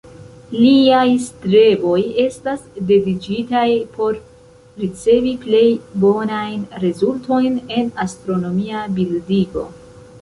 Liaj streboj estas dediĉitaj por ricevi plej bonajn rezultojn en astronomia bildigo.